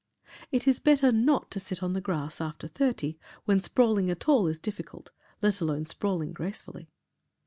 It is better not to sit on the grass after thirty when sprawling at all is difficult, let alone sprawling gracefully.